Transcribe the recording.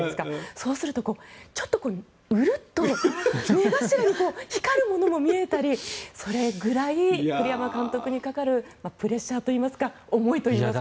そうすると、ちょっとうるっと目頭に光るものも見えたりそれぐらい栗山監督にかかるプレッシャーといいますか思いといいますか。